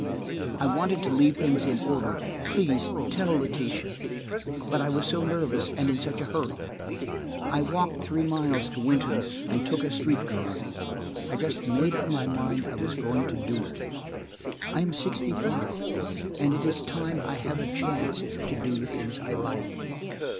I wanted to leave things in order–please tell Letitia–but I was so nervous, and in such a hurry. I walked three miles to Wynton and took a street car. I just made up my mind I was going to do it. I am sixty five, and it is time I have a chance to do the things I like.